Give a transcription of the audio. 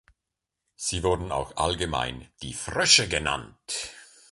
Sie wurden auch allgemein die „Frösche“ genannt.